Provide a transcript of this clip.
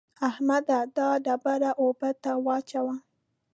احمده! دا ډبره اوبو ته واچوه.